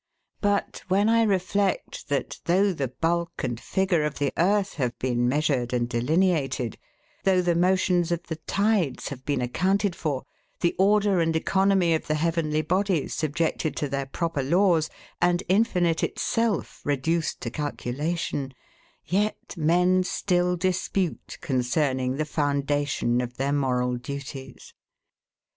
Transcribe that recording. But when I reflect that, though the bulk and figure of the earth have been measured and delineated, though the motions of the tides have been accounted for, the order and economy of the heavenly bodies subjected to their proper laws, and Infinite itself reduced to calculation; yet men still dispute concerning the foundation of their moral duties.